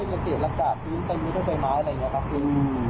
ระเกะระกาศปีนตะยุทธไปไม้อะไรอย่างเงี้ยครับ